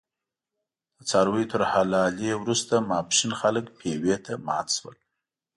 د څارویو تر حلالې وروسته ماسپښین خلک پېوې ته مات شول.